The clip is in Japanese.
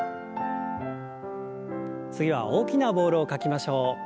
次は大きなボールを描きましょう。